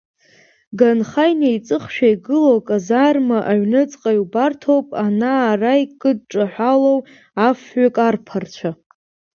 Ганха инеиҵыхшәа игылоу аказарма аҩныҵҟа иубарҭоуп ана-ара икыдҿаҳәалоу аф-ҩык арԥарцәа.